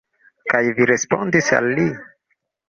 Kaj vi respondis al li?